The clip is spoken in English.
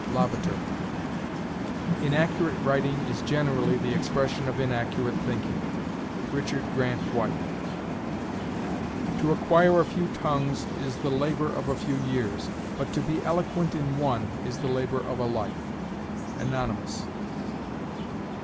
LAVATER. Inaccurate writing is generally the expression of inaccurate thinking. RICHARD GRANT WHITE. To acquire a few tongues is the labor of a few years; but to be eloquent in one is the labor of a life. ANONYMOUS.